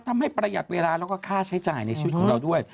ประหยัดเวลาแล้วก็ค่าใช้จ่ายในชีวิตของเราด้วย